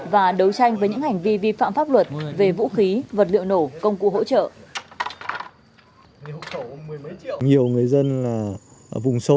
và đấu tranh với những hành vi vi phạm pháp luật về vũ khí vật liệu nổ công cụ hỗ trợ